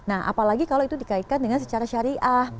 apalagi kalau dikaitkan dengan secara syariah